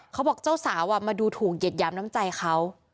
เขาบอกเจ้าสาวมาดูถูกเหยียดหยามน้ำใจเขา